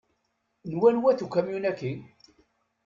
N wanwa-t ukamyun-aki?